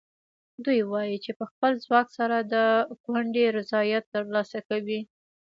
دوی وایي چې په خپل ځواک سره د کونډې رضایت ترلاسه کوي.